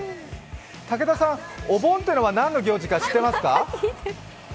武田さん、お盆っていうのは何の行事か知っていますか。